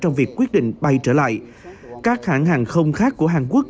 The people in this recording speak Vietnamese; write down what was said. trong việc quyết định bay trở lại các hãng hàng không khác của hàn quốc